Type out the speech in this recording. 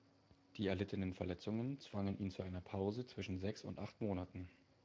Die erlittenen Verletzungen zwangen ihn zu einer Pause zwischen sechs und acht Monaten.